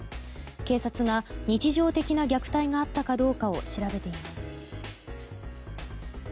警察が日常的な虐待があったかどうか調べています。